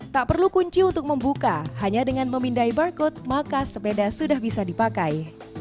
tak perlu kunci untuk membuka hanya dengan memindai barcode maka sepeda sudah bisa dipakai